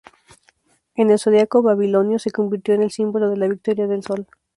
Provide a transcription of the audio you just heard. En el zodiaco babilonio, se convirtió en el símbolo de la victoria del sol.